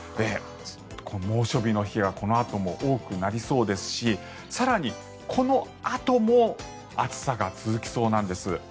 猛暑日の日はこのあとも多くなりそうですし更にこのあとも暑さが続きそうなんです。